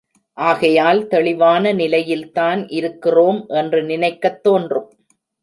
ஆகையால் தெளிவான நிலையில்தான் இருக்கிறோம் என்று நினைக்கத் தோன்றும்.